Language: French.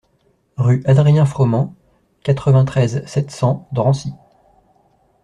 Rue Adrien Froment, quatre-vingt-treize, sept cents Drancy